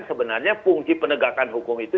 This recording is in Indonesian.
sebenarnya fungsi penegakan hukum itu